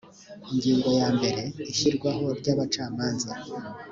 ingingo ya mbere ishyirwaho ry abacamanza